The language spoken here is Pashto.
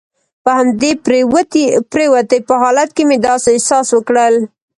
په همدې پروتې په حالت کې مې داسې احساس وکړل.